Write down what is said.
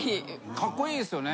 カッコイイですよね。